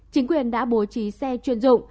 chính quyền đã bố trí xe chuyên dụng